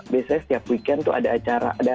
biasanya setiap weekend tuh ada acara